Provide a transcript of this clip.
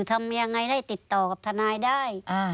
ทำยังไงได้ติดต่อกับทนายได้